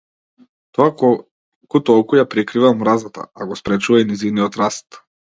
Тоа колку толку ја прикрива омразата, а го спречува и нејзиниот раст.